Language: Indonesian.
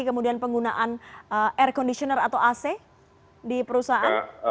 kemudian penggunaan air conditioner atau ac di perusahaan